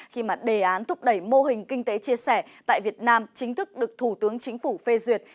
khi mà đề án thúc đẩy mô hình kinh tế chia sẻ tại việt nam chính thức được thủ tướng chính phủ phê duyệt